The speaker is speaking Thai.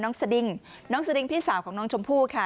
สดิ้งน้องสดิ้งพี่สาวของน้องชมพู่ค่ะ